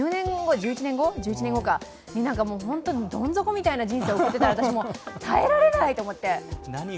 でも１１年後にどん底みたいな人生を送っていたら私、耐えられないと思って。